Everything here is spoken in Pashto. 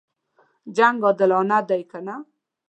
جنګ عادلانه دی کنه.